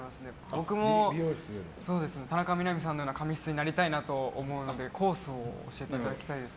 僕も田中みな実さんのような髪質になりたいなと思うのでコースを教えていただきたいです。